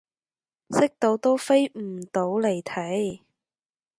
識到都飛唔到嚟睇